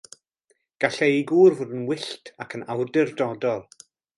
Gallai ei gŵr fod yn wyllt ac yn awdurdodol.